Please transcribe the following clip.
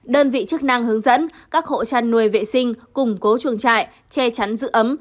đơn vị chức năng hướng dẫn các hộ chăn nuôi vệ sinh củng cố chuồng trại che chắn giữ ấm